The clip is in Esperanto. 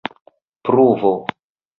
pruvo